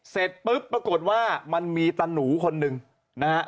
เสร็จปุ๊บปรากฏว่ามันมีตาหนูคนหนึ่งนะฮะ